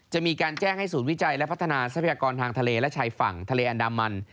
จะมีการแจ้งให้ศูนย์วิจัยและพัฒนาทรัพยากรทางทะเลและชายฝั่งทะเลอันดามัน